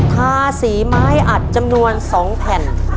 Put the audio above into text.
ทาสีไม้อัดจำนวน๒แผ่น